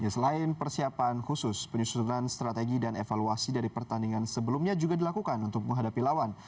selain persiapan khusus penyusunan strategi dan evaluasi dari pertandingan sebelumnya juga dilakukan untuk menghadapi lawan